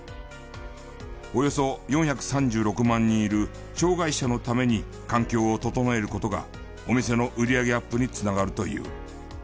およそ４３６万人いる障がい者のために環境を整える事がお店の売り上げアップに繋がるという。